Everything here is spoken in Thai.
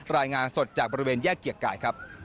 รายงานสดจากบริเวณแยกเกียรติกายครับ